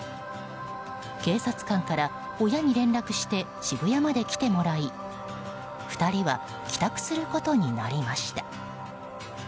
警察官から親に連絡して渋谷まで来てもらい２人は帰宅することになりました。